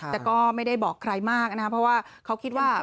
แต่ก็ไม่ได้บอกใครมากนะครับเพราะว่าเขาคิดว่า